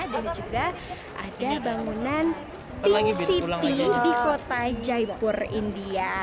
dan juga ada bangunan pink city di kota jaipur india